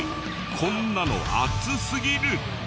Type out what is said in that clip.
こんなの熱すぎる！